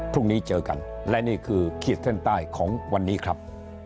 พรุ่งนี้เจอกันและนี่คือขีดเส้นใต้ของวันนี้ครับ